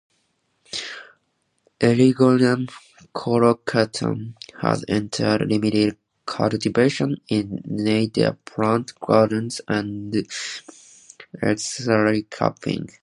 "Eriogonum crocatum" has entered limited cultivation in native plant gardens and xeriscaping.